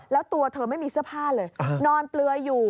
แล้วตัวเธอไม่มีเสื้อผ้าเลยนอนเปลือยอยู่